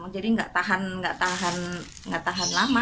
jadi nggak tahan lama